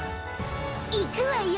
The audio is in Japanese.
いくわよ。